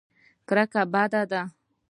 کرکه بده ده.